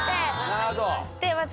なるほど。